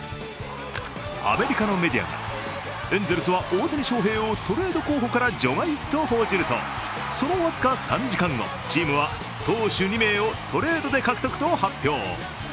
アメリカのメディアが、エンゼルスは大谷翔平をトレード候補から除外と報じると、その僅か３時間後、チームは投手２名をトレードで獲得と発表。